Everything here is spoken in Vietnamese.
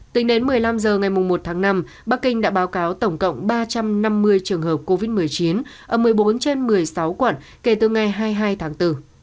tính đến một mươi năm h ngày một tháng năm bắc kinh đã báo cáo tổng cộng ba trăm năm mươi trường hợp covid một mươi chín ở một mươi bốn trên một mươi sáu quận kể từ ngày hai mươi hai tháng bốn